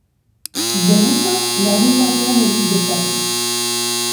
Debuta larunbatean egin dezake.